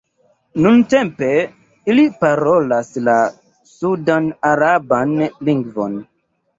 Nuntempe ili parolas la sudan-araban lingvon.